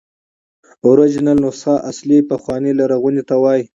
اوریجنل نسخه اصلي، پخوانۍ، لرغوني ته وایي.